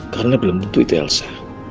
karena belum tentu itu elsa